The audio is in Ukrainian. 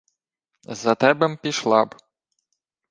— За тебе-м пішла б.